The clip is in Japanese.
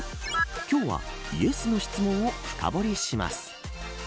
今日はイエスの質問を深掘りします。